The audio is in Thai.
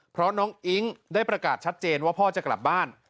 เพราะน้องอิ๊งได้ประกาศชัดเจนว่าพ่อจะกลับบ้าน